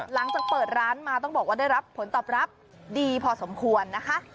หลังจากเปิดร้านมาต้องบอกว่าได้รับผลตอบรับดีพอสมควรนะคะ